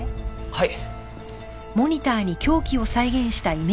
はい。